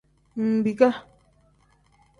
Mbiika.